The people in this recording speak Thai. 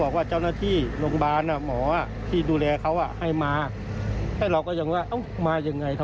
เกิดคำถามเยอะค่ะ